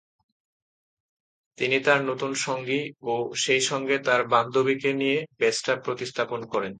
তিনি তার নতুন সঙ্গী ও সেইসঙ্গে তার বান্ধবীকে নিয়ে বেজটা প্রতিস্থাপন করেন।